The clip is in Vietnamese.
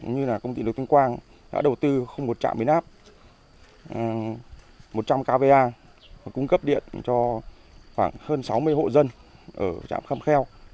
như là công ty điện lực tân quang đã đầu tư không một trạm biến áp một trăm linh kva cung cấp điện cho khoảng hơn sáu mươi hộ dân ở trạm khâm kheo